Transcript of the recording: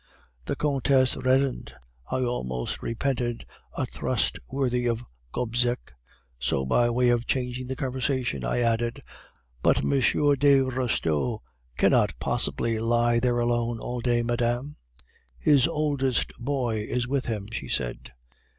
"The Countess reddened. I almost repented a thrust worthy of Gobseck. So, by way of changing the conversation, I added, 'But M. de Restaud cannot possibly lie there alone all day, madame.' "'His oldest boy is with him,' she said.